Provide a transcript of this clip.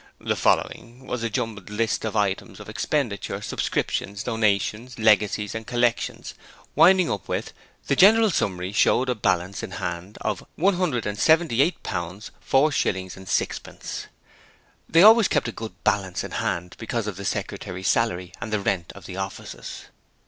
'The following' was a jumbled list of items of expenditure, subscriptions, donations, legacies, and collections, winding up with 'the general summary showed a balance in hand of £178.4.6'. (They always kept a good balance in hand because of the Secretary's salary and the rent of the offices.)